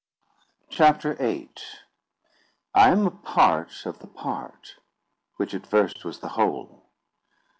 CHAPTER VIII "I am a part of the part, which at first was the whole."